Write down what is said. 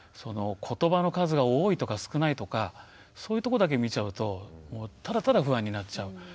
ことばの数が多いとか少ないとかそういうとこだけ見ちゃうとただただ不安になっちゃう。